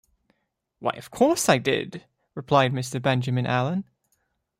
‘Why, of course I did,’ replied Mr. Benjamin Allen.